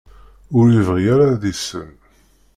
Ur yebɣi ara ad d-isel.